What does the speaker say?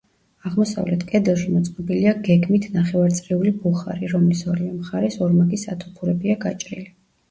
აღმოსავლეთ კედელში მოწყობილია გეგმით ნახევარწრიული ბუხარი, რომლის ორივე მხარეს ორმაგი სათოფურებია გაჭრილი.